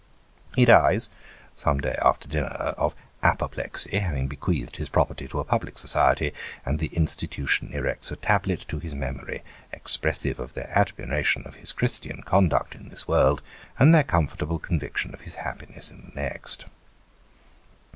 He dies, some day after dinner, of apoplexy, having bequeathed his property to a Public Society, and the Institution erects a tablet to his memory, expressive of their admiration of his Christian conduct in this world, and their comfort able conviction of his happiness in the next.